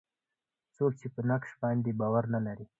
څوک یې په نقش باندې باور نه لري.